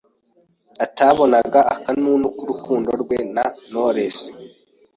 atabonaga akanunu k'urukundo rwe na Knowless